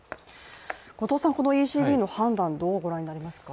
このＥＣＢの判断、どうご覧になりますか。